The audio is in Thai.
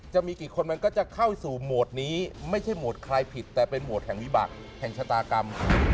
จะมีกี่คนมันก็จะเข้าสู่โหมดนี้ไม่ใช่โหมดใครผิดแต่เป็นโหมดแห่งวิบัติแห่งชะตากรรม